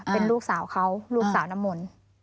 เป็นลูกสาวเขาลูกสาวน้ำมนต์